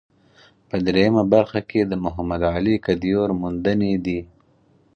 په درېیمه برخه کې د محمد علي کدیور موندنې دي.